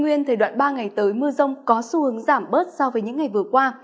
nguyên thời đoạn ba ngày tới mưa rông có xu hướng giảm bớt so với những ngày vừa qua